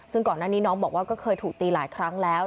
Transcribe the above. ซึ่งก่อนหน้านี้น้องบอกว่าก็เคยถูกตีหลายครั้งแล้ว